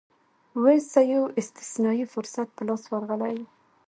وینز ته یو استثنايي فرصت په لاس ورغلی و.